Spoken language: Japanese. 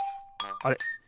あれ？